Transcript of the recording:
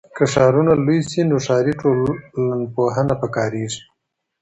که ښارونه لوی سي نو ښاري ټولنپوهنه پکاریږي.